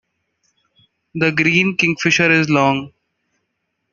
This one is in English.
The green kingfisher is long.